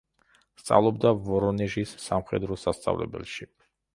სწავლობდა ვორონეჟის სამხედრო სასწავლებელში.